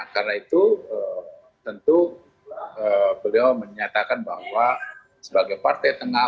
karena itu tentu beliau menyatakan bahwa sebagai partai tengah